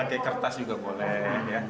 pakai kertas juga boleh